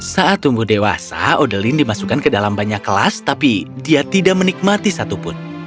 saat tumbuh dewasa odelin dimasukkan ke dalam banyak kelas tapi dia tidak menikmati satupun